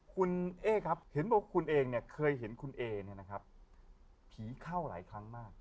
คุณเอ๊ครับเห็นบอกคุณเองเนี่ยเคยเห็นคุณเอเนี่ยนะครับผีเข้าหลายครั้งมาก